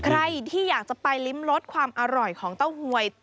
ใครที่อยากจะไปลิ้มรสความอร่อยของเต้าหวย